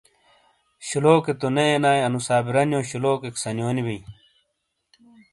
شلوکے تو نے اینائے انو صابرانیو شلوک سنیونو بئی۔